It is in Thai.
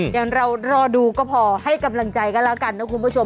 อย่างเรารอดูก็พอให้กำลังใจกันแล้วกันนะคุณผู้ชม